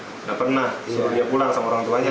tidak pernah disuruh dia pulang sama orang tuanya